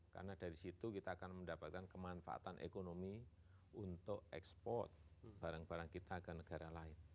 karena dari situ kita akan mendapatkan kemanfaatan ekonomi untuk ekspor barang barang kita ke negara lain